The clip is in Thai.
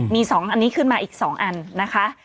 มี๒อันนี้ขึ้นมาอีก๒อันนะคะ